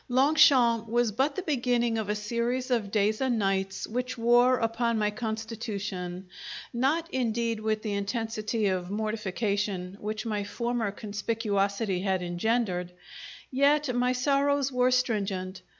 Longchamps was but the beginning of a series of days and nights which wore upon my constitution not indeed with the intensity of mortification which my former conspicuosity had engendered, yet my sorrows were stringent.